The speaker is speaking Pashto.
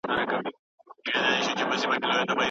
که تجربه کار مشوره ورکوي نو کار نه ځنډېږي.